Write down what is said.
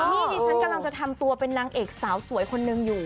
นี่ดิฉันกำลังจะทำตัวเป็นนางเอกสาวสวยคนนึงอยู่